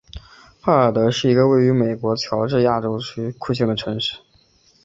艾得尔是一个位于美国乔治亚州库克县的城市。